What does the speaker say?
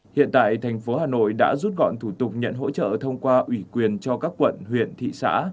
hiện tại thành phố hà nội đã rút gọn thủ tục nhận hỗ trợ thông qua ủy quyền cho các quận huyện thị xã